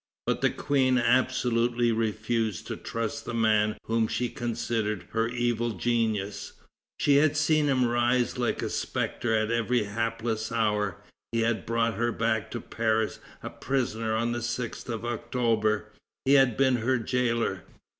But the Queen absolutely refused to trust the man whom she considered her evil genius. She had seen him rise like a spectre at every hapless hour. He had brought her back to Paris a prisoner on the 6th of October. He had been her jailer.